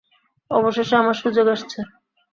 অবশেষে আমার সুযোগ আসছে।